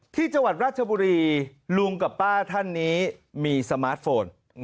ที่จังหวัดราชบุรีลุงกับป้าท่านนี้มีสมาร์ทโฟน